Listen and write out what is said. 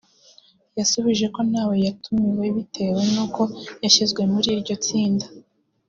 yasubije ko nawe yatumiwe bitewe n’uko yashyizwe muri iryo tsinda